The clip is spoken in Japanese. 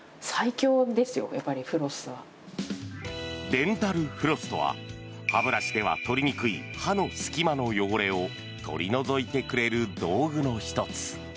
デンタルフロスとは歯ブラシでは取りにくい歯の隙間の汚れを取り除いてくれる道具の１つ。